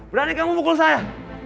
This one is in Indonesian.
berani kamu mukul saya